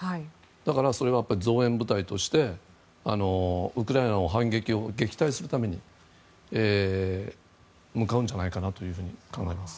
だから、それは増援部隊としてウクライナの反撃を撃退するために向かうんじゃないかなと考えます。